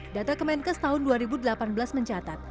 data kemenkes tahun dua ribu delapan belas mencatat